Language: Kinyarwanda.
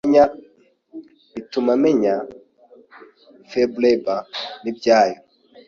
bituma menya Fablab nibyayo